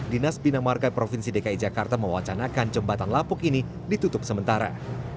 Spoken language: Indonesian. dinas bina marga provinsi dki jakarta mewacanakan jembatan lapuk ini ditutup sementara